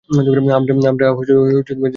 আমার যেতে পারি এখন?